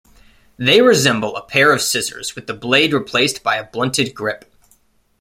They resemble a pair of scissors with the blade replaced by a blunted grip.